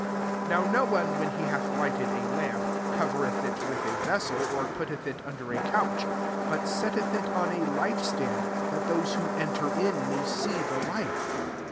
16 ^ Now no one, when he hath lighted a lamp, covereth it with a vessel, or putteth it under a couch ; but setteth it on a light*>stand» that those who enter in may see the light.